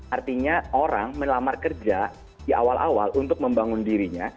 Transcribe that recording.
artinya orang melamar kerja di awal awal untuk membangun dirinya